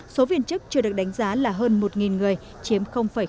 số viên chức chưa được đánh giá là hơn một người chiếm tám